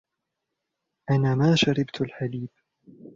أنا ما شربت الحليب.